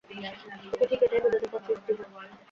তোকে ঠিক এটাই বোঝাতে চাচ্ছি, স্টিভেন।